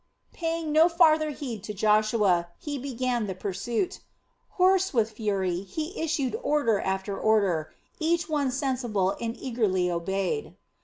Paying no farther heed to Joshua, he began the pursuit. Hoarse with fury, he issued order after order, each one sensible and eagerly obeyed.